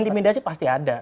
intimidasi pasti ada